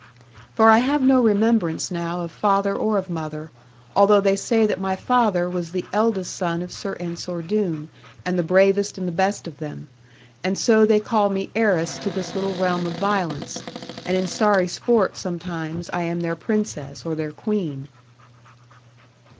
'For I have no remembrance now of father or of mother, although they say that my father was the eldest son of Sir Ensor Doone, and the bravest and the best of them. And so they call me heiress to this little realm of violence; and in sorry sport sometimes, I am their Princess or their Queen.